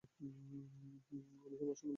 আমি প্রশান্ত মহাসাগরের পথে যেতে চাই না।